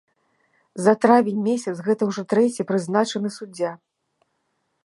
За травень месяц гэта ўжо трэці прызначаны суддзя.